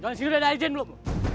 jualan sini udah ada izin belom